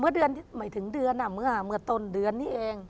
เมื่อเดือนหมายถึงเดือนอ่ะเมื่อต้นเดือนนี้เอง